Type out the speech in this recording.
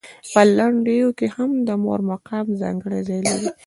په لنډیو کې هم د مور مقام ځانګړی ځای لري.